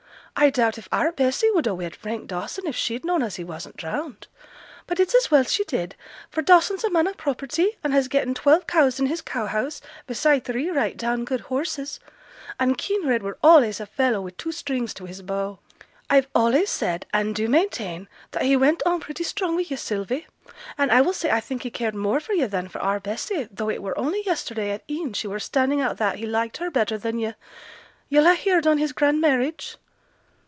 I doubt if our Bessy would ha' wed Frank Dawson if she'd known as he wasn't drowned. But it's as well she did, for Dawson's a man o' property, and has getten twelve cows in his cow house, beside three right down good horses; and Kinraid were allays a fellow wi' two strings to his bow. I've allays said and do maintain, that he went on pretty strong wi' yo', Sylvie; and I will say I think he cared more for yo' than for our Bessy, though it were only yesterday at e'en she were standing out that he liked her better than yo'. Yo'll ha' heared on his grand marriage?'